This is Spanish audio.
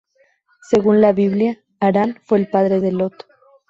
Según la "Biblia", Harán fue el padre de Lot.